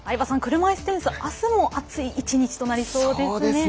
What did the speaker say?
車いすテニス、あすも熱い１日となりそうですね。